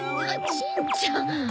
しんちゃん！